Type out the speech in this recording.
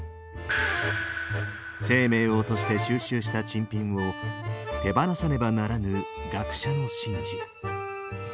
「生命を賭して収集した珍品を手放さねばならぬ学者の心事」。